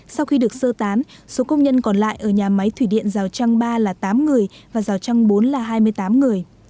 sau khi được sơ tán số công nhân còn lại ở nhà máy thủy điện rào trăng ba là tám người và rào trăng bốn là hai mươi tám người